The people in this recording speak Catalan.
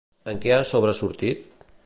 En què ha sobresortit?